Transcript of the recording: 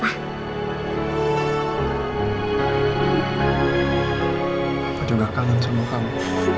papa juga kangen sama kamu